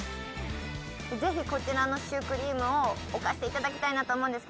ぜひこちらのシュークリームを置かせて頂きたいなと思うんですけど。